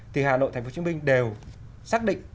thì hà nội tp hcm đều xác định